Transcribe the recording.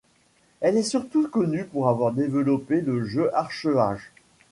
Elle est surtout connu pour avoir développé le jeu ArcheAge.